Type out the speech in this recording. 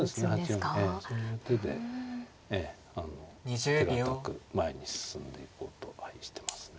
ええそういう手で手堅く前に進んでいこうとしてますね。